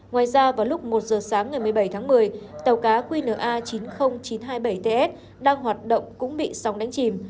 ngoài ra vào lúc một giờ sáng ngày một mươi bảy tháng một mươi tàu cá qna chín mươi nghìn chín trăm hai mươi bảy ts đang hoạt động cũng bị sóng đánh chìm